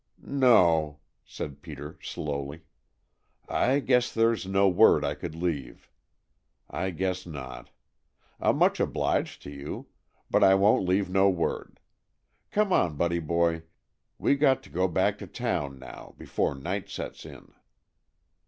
"No," said Peter slowly, "I guess there's no word I could leave. I guess not. I'm much obliged to you, but I won't leave no word. Come on, Buddy boy, we got to go back to town now, before night sets in."